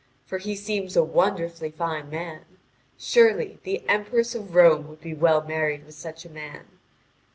For he seems a wonderfully fine man. Surely, the empress of Rome would be well married with such a man.